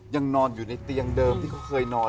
ยังนอนอยู่ในเตียงเดิมที่เขาเคยนอน